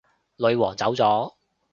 女皇走咗